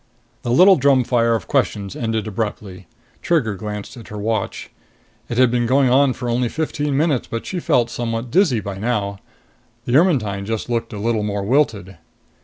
The little drumfire of questions ended abruptly. Trigger glanced at her watch. It had been going on for only fifteen minutes, but she felt somewhat dizzy by now. The Ermetyne just looked a little more wilted.